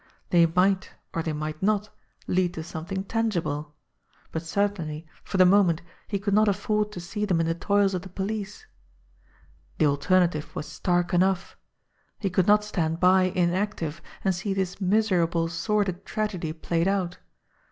They might, or they might not, lead to something tangible; but certainly, for the moment, 50 JIMMIE DALE AND THE PHANTOM CLUE he could not afford to see them in the toils of the police. The alternative was stark enough. He could not stand by inactive and see this miserable, sordid tragedy played out.